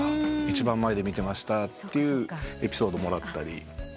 一番前で見てました」ってエピソードもらったり。